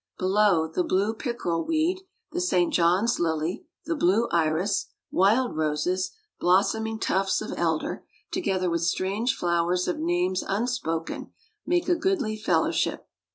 Below, the blue pickerel weed, the St. John's lily, the blue iris, wild roses, blossoming tufts of elder, together with strange flowers of names unspoken, make a goodly fellowship.